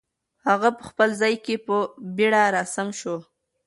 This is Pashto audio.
هغه په خپل ځای کې په بیړه را سم شو.